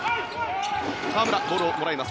河村、ボールをもらいます